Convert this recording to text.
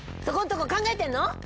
そこんとこ考えてんの？